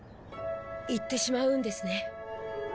行ってしまうんですね。